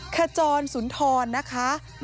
ขจรสุนทรนะคะ